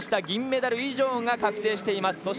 銀メダル以上が確定しています。